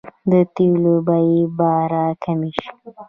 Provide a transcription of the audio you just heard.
د تیلو بیې به راکمې شي؟